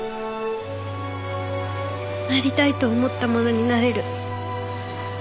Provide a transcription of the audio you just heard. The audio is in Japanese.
なりたいと思ったものになれる。